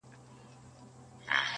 چي در رسېږم نه، نو څه وکړم ه ياره.